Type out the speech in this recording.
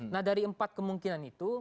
nah dari empat kemungkinan itu